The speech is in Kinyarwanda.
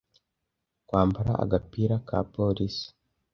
kwambara agapira ka polisi